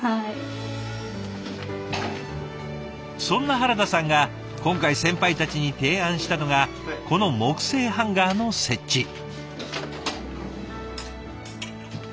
そんな原田さんが今回先輩たちに提案したのがこの木製ハンガーの設置。